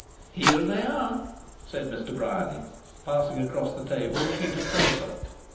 "Here they are!" said Mr. Bryany, passing across the table a sheet of paper.